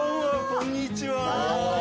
こんにちは。